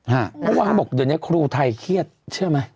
เมื่อวานเขาบอกเดี๋ยวนี้ครูไทยเครียดเชื่อไหม